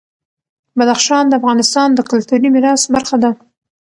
بدخشان د افغانستان د کلتوري میراث برخه ده.